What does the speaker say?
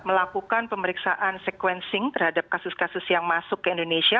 melakukan pemeriksaan sequencing terhadap kasus kasus yang masuk ke indonesia